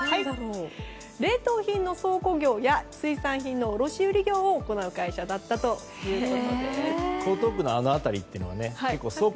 冷凍品の倉庫業や水産品の卸業を行う会社だったということです。